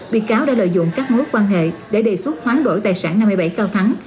bị cáo đã lợi dụng các mối quan hệ để đề xuất hoán đổi tài sản năm mươi bảy cao thắng